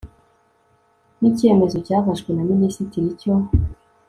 n icyemezo cyafashwe na Minisitiri cyo